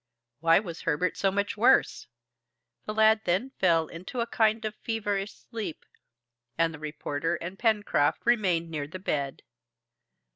why was Herbert so much worse? The lad then fell into a kind of feverish sleep, and the reporter and Pencroft remained near the bed.